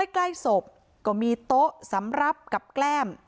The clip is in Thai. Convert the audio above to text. ใกล้ศพก็มีโต๊ะสำหรับกับแกล้ม